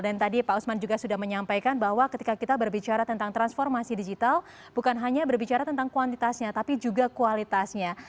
dan tadi pak osman juga sudah menyampaikan bahwa ketika kita berbicara tentang transformasi digital bukan hanya berbicara tentang kuantitasnya tapi juga kualitasnya